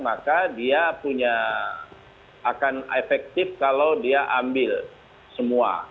maka dia punya akan efektif kalau dia ambil semua